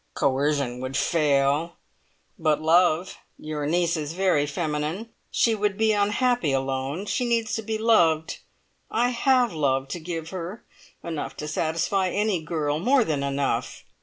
"Coercion would fail, but love Your niece is very feminine. She would be unhappy alone. She needs to be loved. I have love to give her enough to satisfy any girl more than enough!